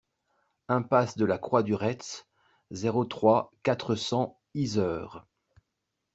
Impasse de la Croix du Retz, zéro trois, quatre cents Yzeure